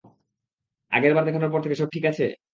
আগেরবার দেখানোর পর থেকে সব ঠিক আছে?